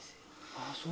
ああそう。